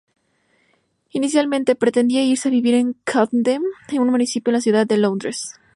Inicialmente, pretendía irse a vivir en Camden, un municipio de la ciudad de Londres.